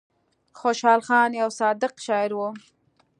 خوشال خان يو صادق شاعر وو ـ